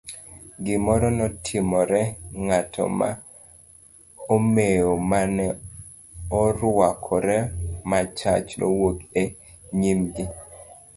Gimoro notimore, ng'ato ma omewo mane oruakore machach, nowuok e nyim gi.